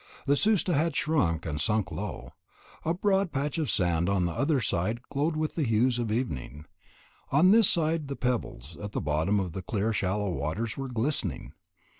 The Susta had shrunk and sunk low; a broad patch of sand on the other side glowed with the hues of evening; on this side the pebbles at the bottom of the clear shallow waters were glistening.